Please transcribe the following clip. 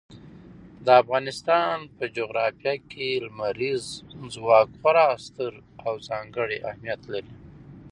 د افغانستان په جغرافیه کې لمریز ځواک خورا ستر او ځانګړی اهمیت لري.